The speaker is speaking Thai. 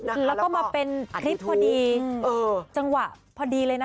แล้วก็มาเป็นคลิปพอดีจังหวะพอดีเลยนะ